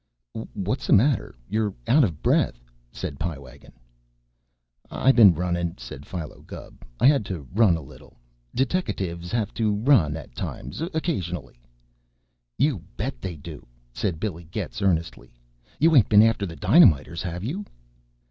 "What's the matter? You're out of breath," said Pie Wagon. "I been runnin'," said Philo Gubb. "I had to run a little. Deteckatives have to run at times occasionally." "You bet they do," said Billy Getz earnestly. "You ain't been after the dynamiters, have you?"